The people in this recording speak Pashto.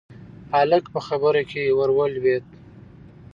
هلک په خبره کې ور ولوېد: